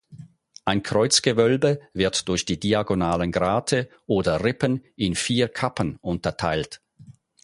Ein Kreuzgewölbe wird durch die diagonalen Grate oder Rippen in vier "Kappen" unterteilt.